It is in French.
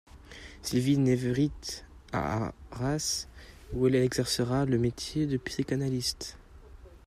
Sylvie Nèvevit à Arras, où elle exercera le métier de psychanalyste.